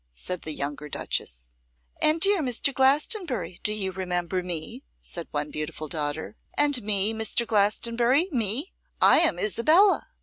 said the younger duchess. 'And, dear Mr. Glastonbury, do you remember me?' said one beautiful daughter. 'And me, Mr. Glastonbury, me? I am Isabella.